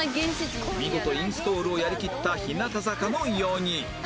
見事インストールをやりきった日向坂の４人